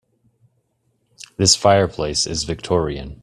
This fireplace is victorian.